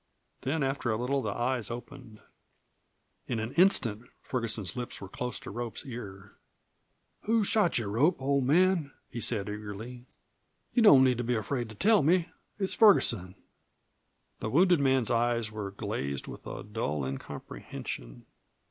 Then after a little the eyes opened. In an instant Ferguson's lips were close to Rope's ear. "Who shot you, Rope, old man?" he asked eagerly. "You don't need to be afraid to tell me, it's Ferguson." The wounded man's eyes were glazed with a dull incomprehension.